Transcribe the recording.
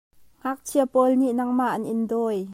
Ngakchia pawl nih nangmah an in dawi.